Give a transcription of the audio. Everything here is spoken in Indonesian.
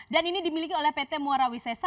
dan ini dimiliki oleh pt muarawisesa